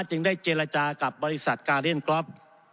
จึงได้เจรจากับบริษัทกาเลียนกรอฟ